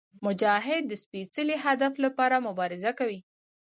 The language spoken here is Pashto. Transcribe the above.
مجاهد د سپېڅلي هدف لپاره مبارزه کوي.